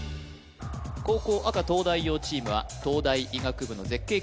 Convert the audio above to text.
後攻赤東大王チームは東大医学部の絶景